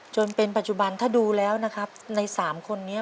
จนเป็นปัจจุบันถ้าดูแล้วนะครับใน๓คนนี้